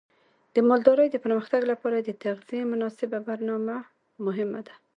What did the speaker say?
د مالدارۍ د پرمختګ لپاره د تغذیې مناسب برنامه مهمه ده.